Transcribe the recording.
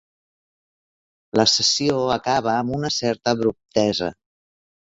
La sessió acaba amb una certa abruptesa.